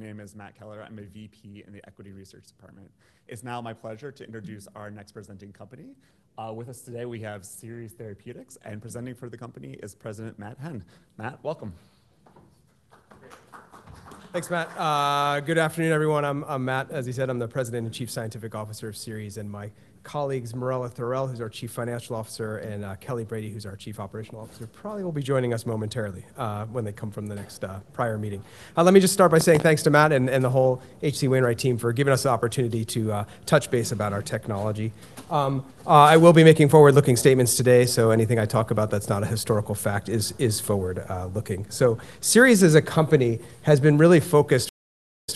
My name is Matthew Keller. I'm a VP in the equity research department. It's now my pleasure to introduce our next presenting company. With us today we have Seres Therapeutics, presenting for the company is President Matthew Henn. Matt, welcome. Thanks, Matt. Good afternoon, everyone. I'm Matt, as he said, I'm the President and Chief Scientific Officer of Seres, my colleagues, Marella Thorell, who's our Chief Financial Officer, and Kelly Brady, who's our Chief Operating Officer, probably will be joining us momentarily when they come from the next prior meeting. Let me just start by saying thanks to Matt and the whole H.C. Wainwright team for giving us the opportunity to touch base about our technology. I will be making forward-looking statements today, anything I talk about that's not a historical fact is forward-looking. Seres as a company has been really focused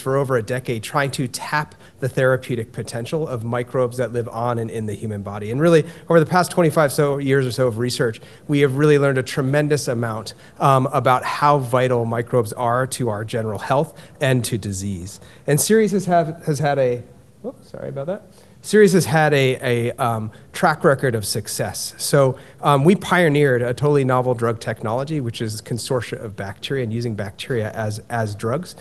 for over a decade trying to tap the therapeutic potential of microbes that live on and in the human body. Really, over the past 25 so years or so of research, we have really learned a tremendous amount about how vital microbes are to our general health and to disease. Seres has had a track record of success. We pioneered a totally novel drug technology, which is consortia of bacteria and using bacteria as drugs.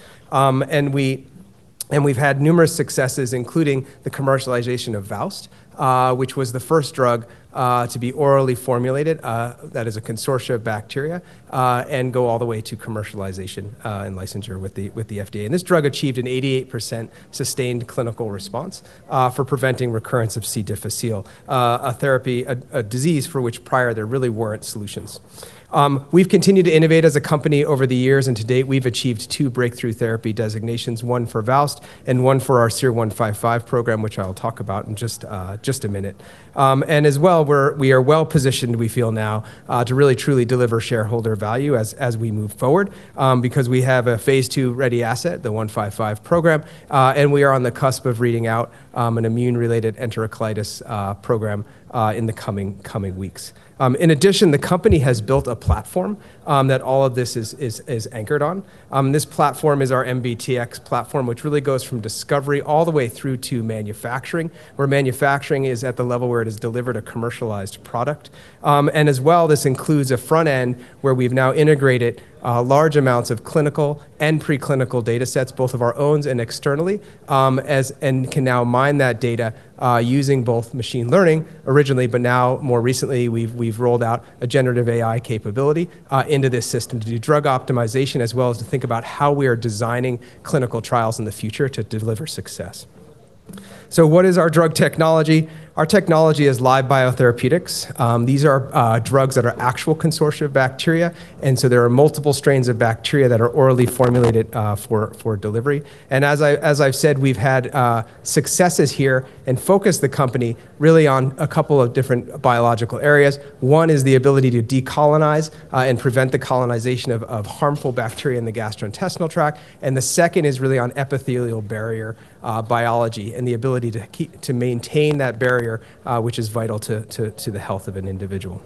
We've had numerous successes, including the commercialization of VOWST, which was the first drug to be orally formulated that is a consortia of bacteria and go all the way to commercialization and licensure with the FDA. This drug achieved an 88% sustained clinical response for preventing recurrence of C. difficile, a therapy, a disease for which prior there really weren't solutions. We've continued to innovate as a company over the years, to date, we've achieved two breakthrough therapy designations, one for VOWST and one for our SER-155 program, which I'll talk about in just a minute. We are well-positioned, we feel now, to really truly deliver shareholder value as we move forward, because we have a phase II-ready asset, the SER-155 program, and we are on the cusp of reading out an immune-related enterocolitis program in the coming weeks. The company has built a platform that all of this is anchored on. This platform is our MbTx platform, which really goes from discovery all the way through to manufacturing, where manufacturing is at the level where it has delivered a commercialized product. As well, this includes a front end where we've now integrated large amounts of clinical and preclinical data sets, both of our owns and externally, and can now mine that data using both machine learning originally, but now more recently, we've rolled out a generative AI capability into this system to do drug optimization as well as to think about how we are designing clinical trials in the future to deliver success. What is our drug technology? Our technology is live biotherapeutics. These are drugs that are actual consortia of bacteria, and so there are multiple strains of bacteria that are orally formulated for delivery. As I've said, we've had successes here and focused the company really on a couple of different biological areas. One is the ability to decolonize and prevent the colonization of harmful bacteria in the gastrointestinal tract, and the second is really on epithelial barrier biology and the ability to maintain that barrier, which is vital to the health of an individual.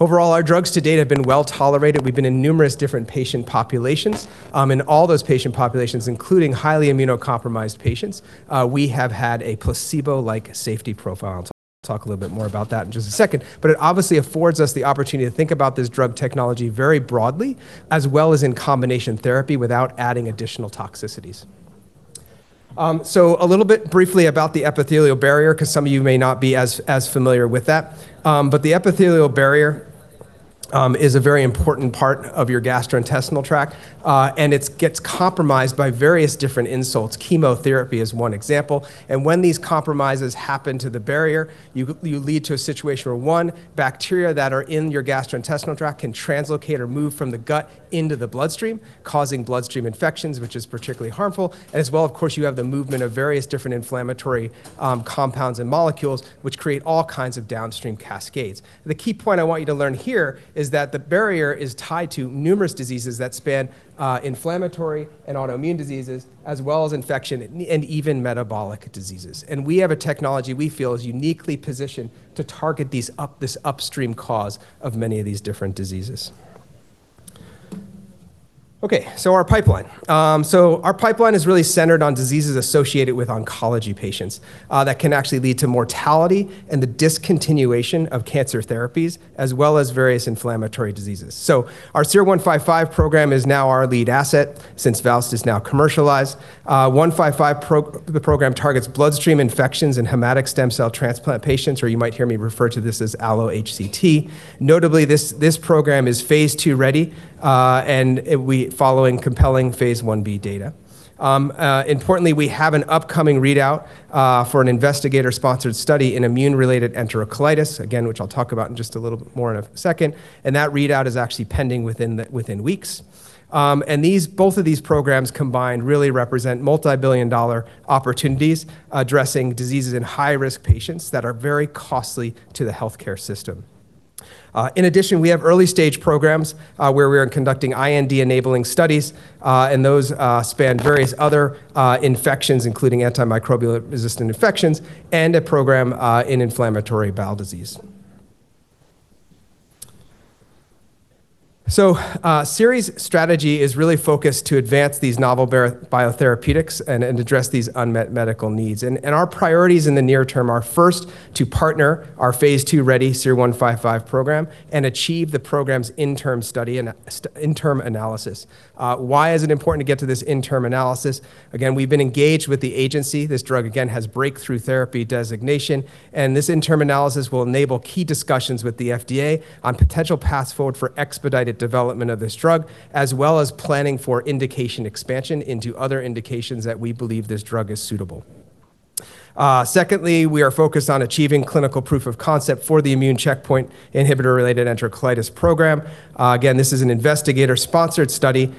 Overall, our drugs to date have been well-tolerated. We've been in numerous different patient populations. In all those patient populations, including highly immunocompromised patients, we have had a placebo-like safety profile. I'll talk a little bit more about that in just a second. It obviously affords us the opportunity to think about this drug technology very broadly, as well as in combination therapy without adding additional toxicities. A little bit briefly about the epithelial barrier, 'cause some of you may not be as familiar with that. The epithelial barrier is a very important part of your gastrointestinal tract, and it gets compromised by various different insults. Chemotherapy is one example. When these compromises happen to the barrier, you lead to a situation where, one, bacteria that are in your gastrointestinal tract can translocate or move from the gut into the bloodstream, causing bloodstream infections, which is particularly harmful. As well, of course, you have the movement of various different inflammatory compounds and molecules, which create all kinds of downstream cascades. The key point I want you to learn here is that the barrier is tied to numerous diseases that span inflammatory and autoimmune diseases, as well as infection and even metabolic diseases. We have a technology we feel is uniquely positioned to target this upstream cause of many of these different diseases. Our pipeline is really centered on diseases associated with oncology patients, that can actually lead to mortality and the discontinuation of cancer therapies, as well as various inflammatory diseases. Our SER-155 program is now our lead asset since VOWST is now commercialized. SER-155 the program targets bloodstream infections in hematologic stem cell transplant patients, or you might hear me refer to this as allo-HSCT. Notably, this program is phase II-ready, and it following compelling phase Ib data. Importantly, we have an upcoming readout for an investigator-sponsored study in immune-related enterocolitis, which I'll talk about in just a little bit more in a second, and that readout is actually pending within weeks. These, both of these programs combined really represent multi-billion dollar opportunities addressing diseases in high-risk patients that are very costly to the healthcare system. In addition, we have early-stage programs where we are conducting IND-enabling studies, and those span various other infections, including antimicrobial-resistant infections and a program in inflammatory bowel disease. Seres' strategy is really focused to advance these novel biotherapeutics and address these unmet medical needs. Our priorities in the near term are first to partner our phase II-ready SER-155 program and achieve the program's interim study and interim analysis. Why is it important to get to this interim analysis? Again, we've been engaged with the agency. This drug, again, has breakthrough therapy designation, this interim analysis will enable key discussions with the FDA on potential paths forward for expedited development of this drug, as well as planning for indication expansion into other indications that we believe this drug is suitable. Secondly, we are focused on achieving clinical proof of concept for the immune checkpoint inhibitor-related enterocolitis program. Again, this is an investigator-sponsored study,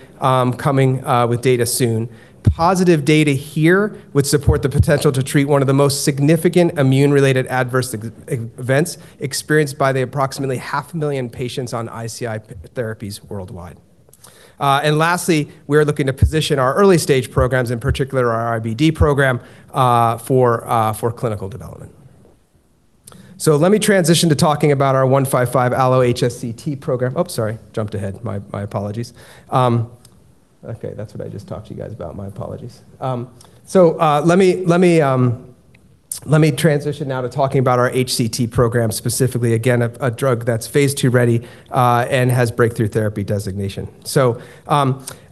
coming with data soon. Positive data here would support the potential to treat one of the most significant immune-related adverse events experienced by the approximately 500,000 patients on ICI therapies worldwide. And lastly, we are looking to position our early-stage programs, in particular our IBD program, for clinical development. Let me transition to talking about our SER-155 allo-HSCT program. Sorry, jumped ahead. My apologies. That's what I just talked to you guys about. My apologies. Let me transition now to talking about our HSCT program specifically, again, a drug that's phase II-ready and has breakthrough therapy designation.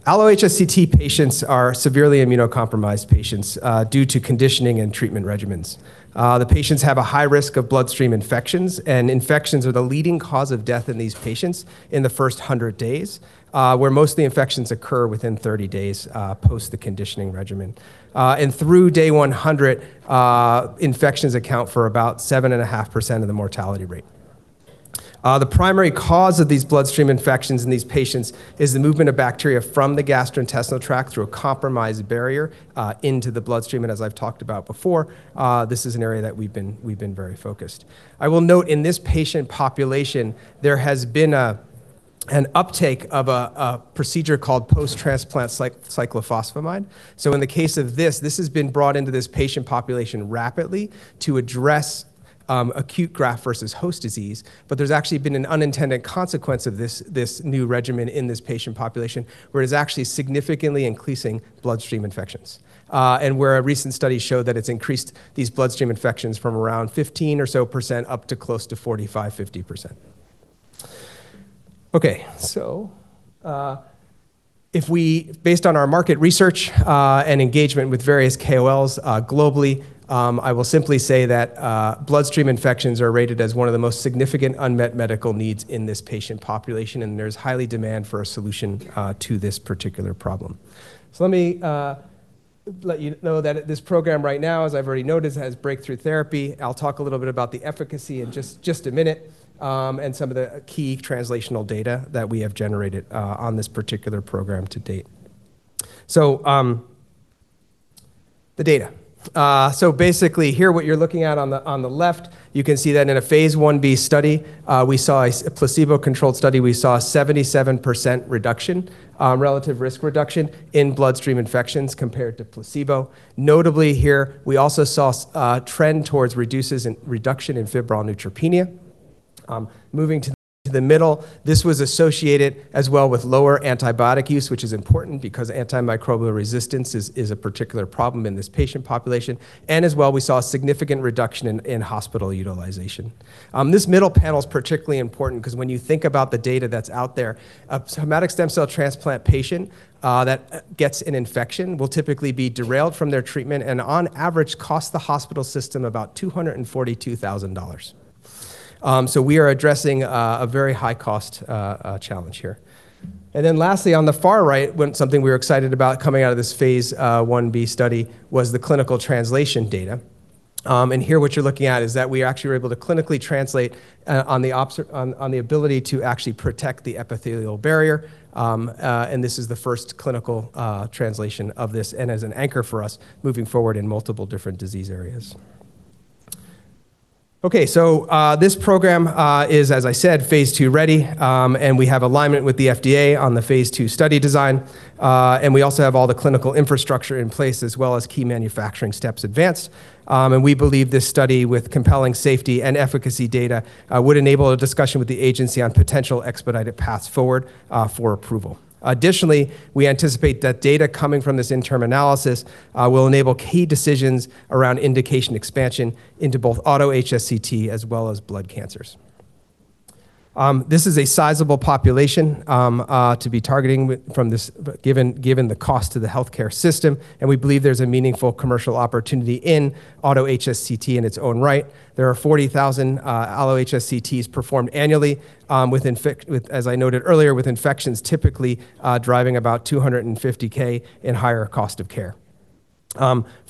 Allo-HSCT patients are severely immunocompromised patients due to conditioning and treatment regimens. The patients have a high risk of bloodstream infections, and infections are the leading cause of death in these patients in the first 100 days, where most of the infections occur within 30 days post the conditioning regimen. Through day 100, infections account for about 7.5% of the mortality rate. The primary cause of these bloodstream infections in these patients is the movement of bacteria from the gastrointestinal tract through a compromised barrier into the bloodstream. As I've talked about before, this is an area that we've been very focused. I will note in this patient population, there has been an uptake of a procedure called post-transplant cyclophosphamide. In the case of this has been brought into this patient population rapidly to address acute graft versus host disease. There's actually been an unintended consequence of this new regimen in this patient population, where it's actually significantly increasing bloodstream infections. Where a recent study showed that it's increased these bloodstream infections from around 15% or so up to close to 45%-50%. Okay, based on our market research, and engagement with various KOLs, globally, I will simply say that bloodstream infections are rated as one of the most significant unmet medical needs in this patient population, and there's highly demand for a solution to this particular problem. Let me let you know that this program right now, as I've already noted, has breakthrough therapy. I'll talk a little bit about the efficacy in just a minute, and some of the key translational data that we have generated on this particular program to date. The data. Basically here, what you're looking at on the, on the left, you can see that in a phase Ib study, we saw a placebo-controlled study. We saw 77% reduction, relative risk reduction in bloodstream infections compared to placebo. Notably here, we also saw a trend towards reduction in febrile neutropenia. Moving to the, to the middle, this was associated as well with lower antibiotic use, which is important because antimicrobial resistance is a particular problem in this patient population. As well, we saw a significant reduction in hospital utilization. This middle panel is particularly important 'cause when you think about the data that's out there, a hematopoietic stem cell transplant patient that gets an infection will typically be derailed from their treatment and on average cost the hospital system about $242,000. We are addressing a very high cost challenge here. Lastly, on the far right, when something we were excited about coming out of this phase Ib study was the clinical translation data. Here what you're looking at is that we actually were able to clinically translate on the ability to actually protect the epithelial barrier, and this is the first clinical translation of this and as an anchor for us moving forward in multiple different disease areas. This program is, as I said, phase II ready, we have alignment with the FDA on the phase II study design, we also have all the clinical infrastructure in place as well as key manufacturing steps advanced. We believe this study with compelling safety and efficacy data would enable a discussion with the agency on potential expedited paths forward for approval. Additionally, we anticipate that data coming from this interim analysis will enable key decisions around indication expansion into both auto-HSCT as well as blood cancers. This is a sizable population to be targeting from this, given the cost to the healthcare system, and we believe there's a meaningful commercial opportunity in auto-HSCT in its own right. There are 40,000 allo-HSCTs performed annually with, as I noted earlier, with infections typically driving about $250K in higher cost of care.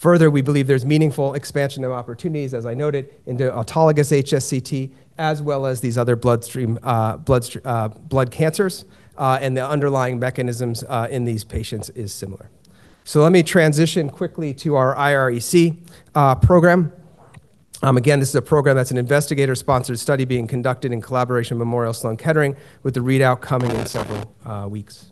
Further, we believe there's meaningful expansion of opportunities, as I noted, into autologous HSCT as well as these other bloodstream blood cancers, and the underlying mechanisms in these patients is similar. Let me transition quickly to our irAEs program. Again, this is a program that's an investigator-sponsored study being conducted in collaboration with Memorial Sloan Kettering with the readout coming in several weeks.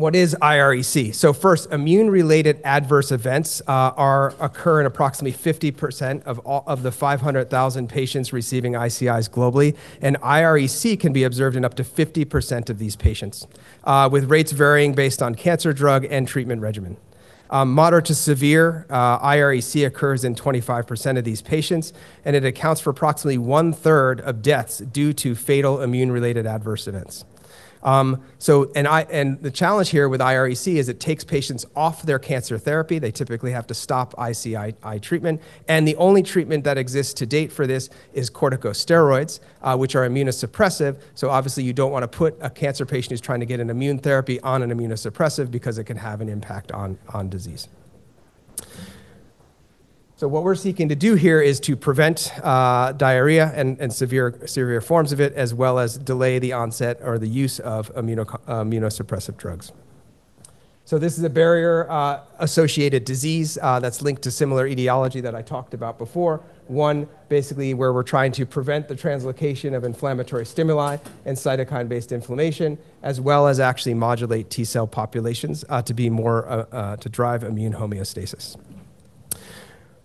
What is irAEs? First, immune-related adverse events are occur in approximately 50% of the 500,000 patients receiving ICIs globally, and irAEs can be observed in up to 50% of these patients with rates varying based on cancer drug and treatment regimen. Moderate to severe irEC occurs in 25% of these patients, and it accounts for approximately 1/3 of deaths due to fatal immune-related adverse events. The challenge here with irEC is it takes patients off their cancer therapy. They typically have to stop ICI treatment, and the only treatment that exists to date for this is corticosteroids, which are immunosuppressive. Obviously, you don't want to put a cancer patient who's trying to get an immune therapy on an immunosuppressive because it can have an impact on disease. What we're seeking to do here is to prevent diarrhea and severe forms of it, as well as delay the onset or the use of immunosuppressive drugs. This is a barrier associated disease that's linked to similar etiology that I talked about before. One, basically, where we're trying to prevent the translocation of inflammatory stimuli and cytokine-based inflammation, as well as actually modulate T-cell populations to be more to drive immune homeostasis.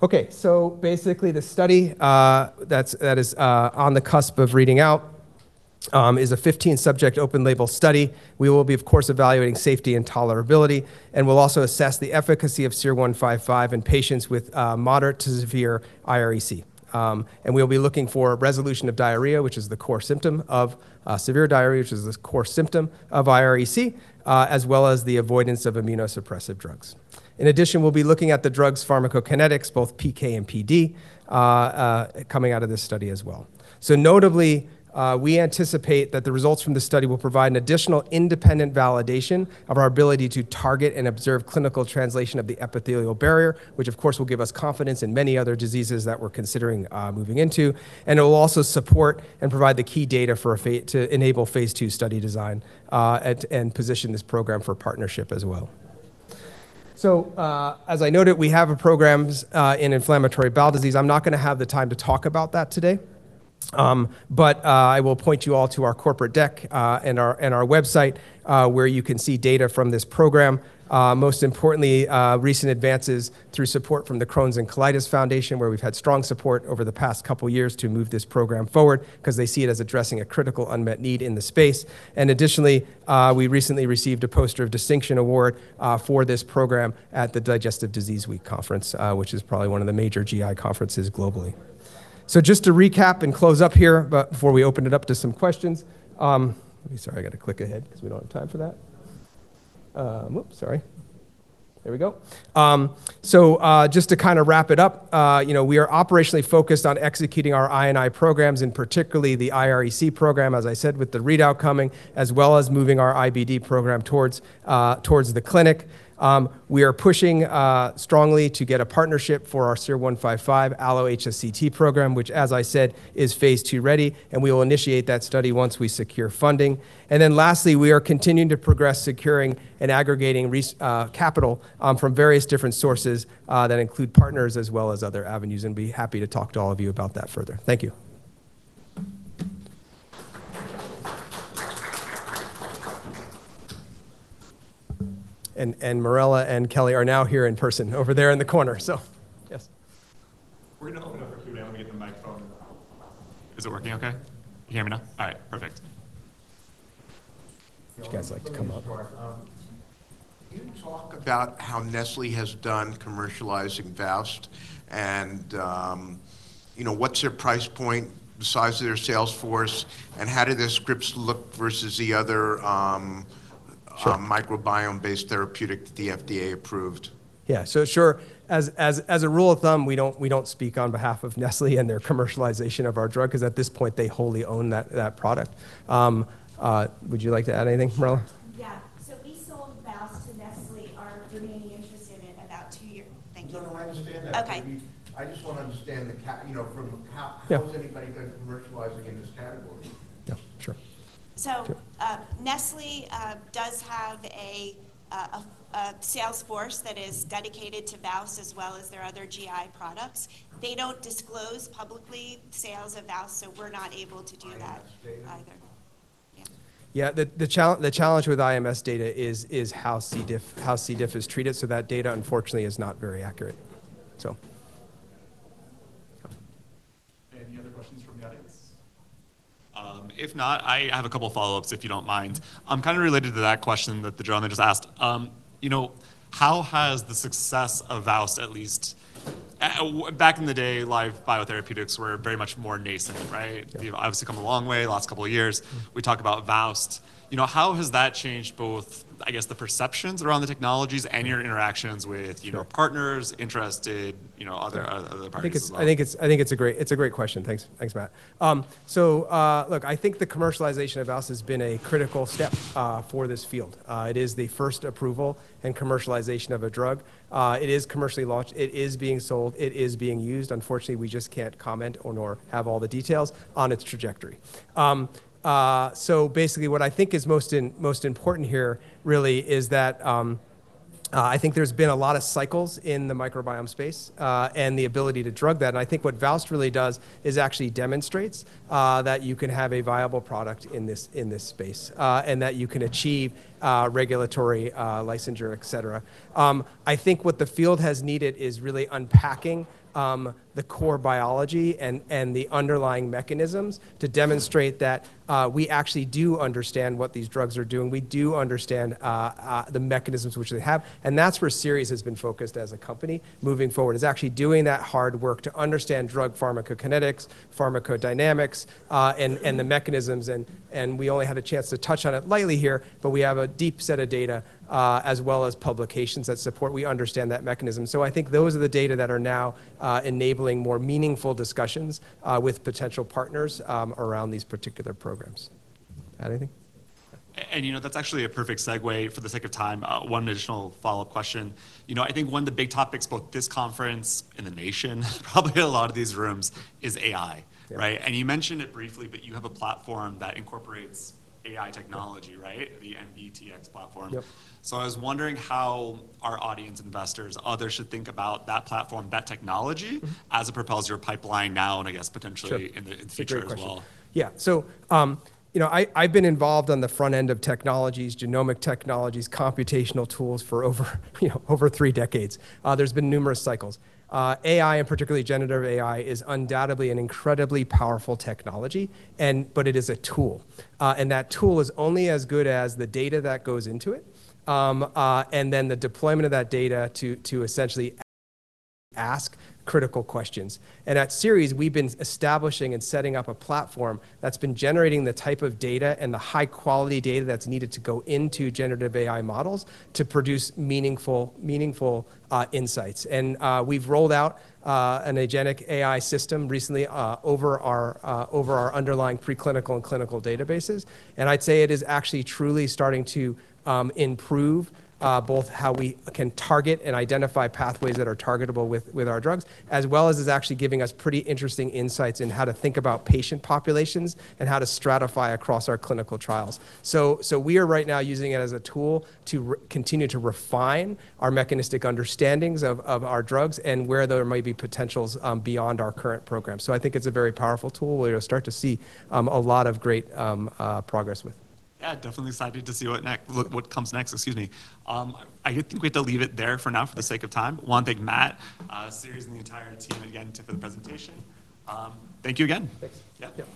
Okay. Basically, the study that is on the cusp of reading out is a 15-subject open label study. We will be, of course, evaluating safety and tolerability, and we'll also assess the efficacy of SER-155 in patients with moderate to severe irEC. We'll be looking for resolution of diarrhea, which is the core symptom of severe diarrhea, which is this core symptom of irEC, as well as the avoidance of immunosuppressive drugs. In addition, we'll be looking at the drug's pharmacokinetics, both PK and PD coming out of this study as well. Notably, we anticipate that the results from this study will provide an additional independent validation of our ability to target and observe clinical translation of the epithelial barrier, which of course will give us confidence in many other diseases that we're considering moving into. It will also support and provide the key data to enable phase II study design, at, and position this program for partnership as well. As I noted, we have programs in inflammatory bowel disease. I'm not gonna have the time to talk about that today. I will point you all to our corporate deck and our website where you can see data from this program. Most importantly, recent advances through support from the Crohn's & Colitis Foundation, where we've had strong support over the past couple years to move this program forward because they see it as addressing a critical unmet need in the space. Additionally, we recently received a Poster of Distinction award for this program at the Digestive Disease Week conference, which is probably one of the major GI conferences globally. Just to recap and close up here, but before we open it up to some questions, Sorry, I gotta click ahead 'cause we don't have time for that. Whoop, sorry. There we go. Just to kind of wrap it up, you know, we are operationally focused on executing our I&I programs, and particularly the irEC program, as I said, with the readout coming, as well as moving our IBD program towards the clinic. We are pushing strongly to get a partnership for our SER-155 allo-HSCT program, which, as I said, is phase II-ready, and we will initiate that study once we secure funding. Lastly, we are continuing to progress securing and aggregating capital from various different sources that include partners as well as other avenues, and be happy to talk to all of you about that further. Thank you. Marella and Kelly are now here in person over there in the corner. Yes. We're gonna open it up for Q&A. Let me get the microphone. Is it working okay? Can you hear me now? All right, perfect. Would you guys like to come up? Can you talk about how Nestlé has done commercializing VOWST? You know, what's their price point, the size of their sales force, and how do their scripts look versus the other microbiome-based therapeutic the FDA approved? Yeah. Sure. As a rule of thumb, we don't speak on behalf of Nestlé and their commercialization of our drug 'cause at this point, they wholly own that product. Would you like to add anything, Marella? Yeah. We sold VOWST to Nestlé our remaining interest in it about two year. Thank you. No, no, I understand that. Okay. I just want to understand the ca-- you know, from a ca-. Yeah How's anybody been commercializing in this category? Yeah, sure. So- Sure Nestlé does have a sales force that is dedicated to VOWST as well as their other GI products. They don't disclose publicly sales of VOWST. We're not able to do that either. IMS data? Yeah. Yeah. The challenge with IMS data is how C. difficile is treated, so that data, unfortunately, is not very accurate. Any other questions from the audience? If not, I have a couple follow-ups, if you don't mind. Kind of related to that question that the gentleman just asked. You know, how has the success of VOWST at least back in the day, live biotherapeutics were very much more nascent, right? You've obviously come a long way last couple of years. We talked about VOWST. You know, how has that changed both, I guess, the perceptions around the technologies and your interactions with... Sure ...you know, partners, interested, you know, other parties as well? I think it's a great question. Thanks. Thanks, Matt. Look, I think the commercialization of VOWST has been a critical step for this field. It is the first approval and commercialization of a drug. It is commercially launched. It is being sold. It is being used. Unfortunately, we just can't comment on or have all the details on its trajectory. Basically, what I think is most important here really is that I think there's been a lot of cycles in the microbiome space and the ability to drug that. I think what VOWST really does is actually demonstrates that you can have a viable product in this space. That you can achieve regulatory licensure, et cetera. I think what the field has needed is really unpacking the core biology and the underlying mechanisms to demonstrate that we actually do understand what these drugs are doing. We do understand the mechanisms which they have. That's where Seres has been focused as a company moving forward, is actually doing that hard work to understand drug pharmacokinetics, pharmacodynamics, and the mechanisms. We only had a chance to touch on it lightly here. We have a deep set of data as well as publications that support we understand that mechanism. I think those are the data that are now enabling more meaningful discussions with potential partners around these particular programs. Add anything? You know, that's actually a perfect segue. For the sake of time, one additional follow-up question. You know, I think one of the big topics both this conference and the nation, probably a lot of these rooms, is AI, right? Yeah. You mentioned it briefly, but you have a platform that incorporates AI technology, right? The MbTx platform. Yep. I was wondering how our audience investors, others should think about that platform, that technology as it propels your pipeline now, and I guess potentially. Sure in the future as well. It's a great question. Yeah, you know, I've been involved on the front end of technologies, genomic technologies, computational tools for over three decades. There's been numerous cycles. AI, and particularly generative AI, is undoubtedly an incredibly powerful technology, it is a tool. And that tool is only as good as the data that goes into it, and then the deployment of that data to essentially ask critical questions. At Seres, we've been establishing and setting up a platform that's been generating the type of data and the high-quality data that's needed to go into generative AI models to produce meaningful insights. We've rolled out an agentic AI system recently over our over our underlying preclinical and clinical databases, and I'd say it is actually truly starting to improve both how we can target and identify pathways that are targetable with our drugs, as well as is actually giving us pretty interesting insights in how to think about patient populations and how to stratify across our clinical trials. We are right now using it as a tool to continue to refine our mechanistic understandings of our drugs and where there might be potentials beyond our current program. I think it's a very powerful tool. We'll start to see a lot of great progress with. Yeah, definitely excited to see what comes next. Excuse me. I think we have to leave it there for now for the sake of time. One big Matt, Seres, and the entire team again for the presentation. Thank you again. Thanks. Yeah.